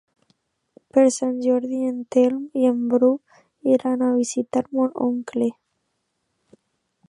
Per Sant Jordi en Telm i en Bru iran a visitar mon oncle.